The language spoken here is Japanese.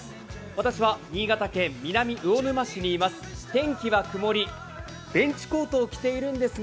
私は新潟県南魚沼市にいます。